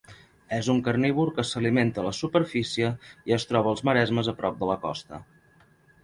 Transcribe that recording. És un carnívor que s'alimenta a la superfície i es troba als maresmes a prop de la costa.